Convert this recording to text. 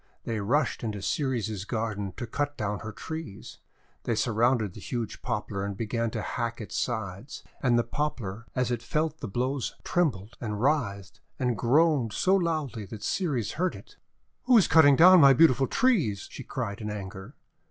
They rushed into Ceres's garden to cut down her trees. They surrounded the huge Poplar and began to hack its sides. And the Poplar as it felt the blows trembled and writhed and groaned so loudly that Ceres heard it. 'Who is cutting down my beautiful trees?' she cried in anger.